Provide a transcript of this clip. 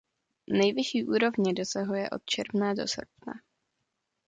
Nejvyšší úrovně dosahuje od června do srpna.